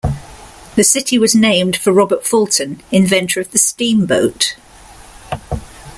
The city was named for Robert Fulton, inventor of the steamboat.